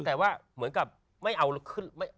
แต่ว่าเหมือนกับไม่เอาขึ้น